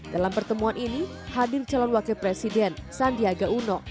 dalam pertemuan ini hadir calon wakil presiden sandiaga uno